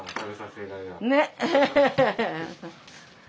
ねっ？